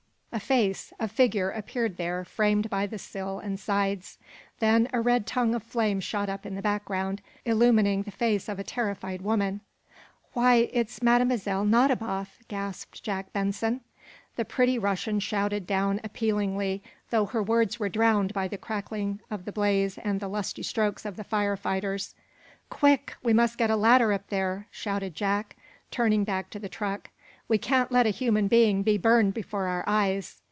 A face, a figure appeared there, framed by the sill and sides. Then a red tongue of flame shot up in the background, illumining the face of a terrified woman. "Why, it's Mlle. Nadiboff!" gasped Jack Benson. The pretty Russian shouted down appealingly, though her words were drowned by the crackling of the blaze and the lusty strokes of the fire fighters. "Quick! We must get a ladder up there!" shouted Jack, turning back to the truck. "We can't let a human being be burned before our eyes."